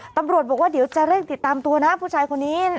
ตำรวจบอกว่าเดี๋ยวจะเร่งติดตามตัวนะผู้ชายคนนี้